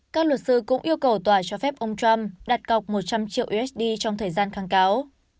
các luật sư cũng yêu cầu tòa cho phép ông trump đặt cọc một trăm linh triệu usd trong thời gian kháng cáo